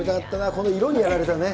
この色にやられたね。